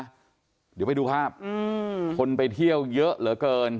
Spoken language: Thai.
เดี๋ยวไปดูภาพคนไปเที่ยวเยอะเหลือเกิน